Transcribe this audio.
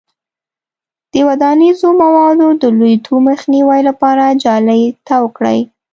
د ودانیزو موادو د لویدو مخنیوي لپاره جالۍ تاو کړئ.